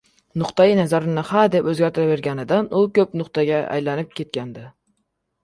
— Nuqtai nazarini hadeb o‘zgartiraverganidan u ko‘pnuqtaga aylanib ketgandi.